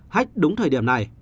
hách đúng thời điểm này